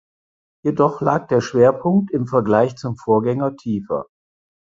Jedoch lag der Schwerpunkt im Vergleich zum Vorgänger tiefer.